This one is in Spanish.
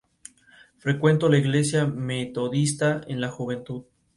Frecuentó la Iglesia Metodista en la juventud.